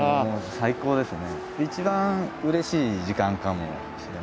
最高ですね。